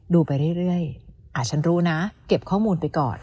ดูไปเรื่อยฉันรู้นะเก็บข้อมูลไปก่อน